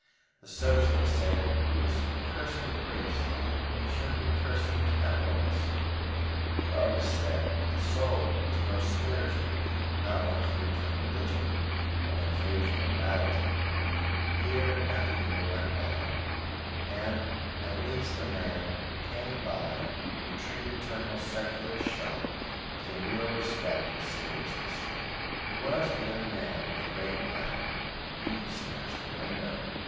The socialists said he was cursing priests when he should be cursing capitalists. The artists said that the soul was most spiritual, not when freed from religion, but when freed from morality. Year after year went by, and at least a man came by who treated Mr. Turnbull's secularist shop with a real respect and seriousness. He was a young man in a grey plaid, and he smashed the window.